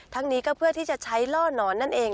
นี้ก็เพื่อที่จะใช้ล่อนอนนั่นเอง